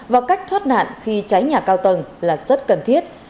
và cách thoát nạn khi cháy nhà cao tầng là rất cần thiết